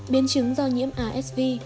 biến chứng do nhiễm asv